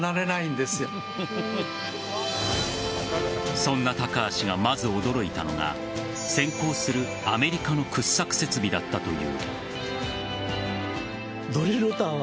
そんな高橋が、まず驚いたのが先行するアメリカの掘削設備だったという。